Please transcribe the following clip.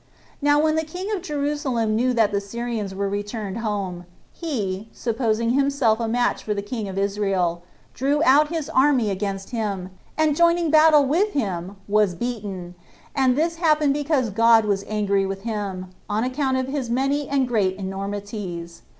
Now when the king of Jerusalem knew that the Syrians were returned home, he, supposing himself a match for the king of Israel, drew out his army against him, and joining battle with him was beaten; and this happened because God was angry with him, on account of his many and great enormities.